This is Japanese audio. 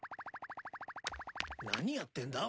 ・何やってんだ？